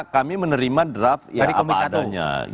dan menerima draft ya apa adanya